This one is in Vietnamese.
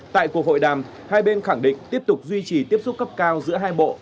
tại cuộc hội đàm hai bên khẳng định tiếp tục duy trì tiếp xúc cấp cao giữa hai bộ